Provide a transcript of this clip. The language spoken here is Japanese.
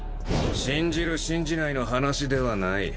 信じる信じないの話ではない。